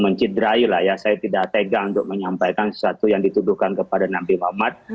mencidrai lah ya saya tidak tega untuk menyampaikan sesuatu yang dituduhkan kepada nabi muhammad